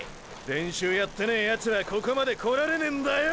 練習やってねェヤツはここまで来られねぇんだよ！！